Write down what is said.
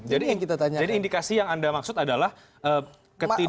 jadi indikasi yang anda maksud adalah ketidak